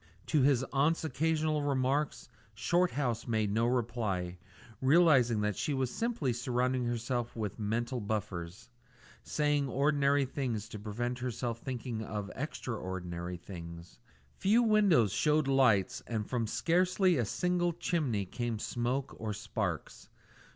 To his aunt's occasional remarks Shorthouse made no reply, realising that she was simply surrounding herself with mental buffers saying ordinary things to prevent herself thinking of extra ordinary things. Few windows showed lights, and from scarcely a single chimney came smoke or sparks.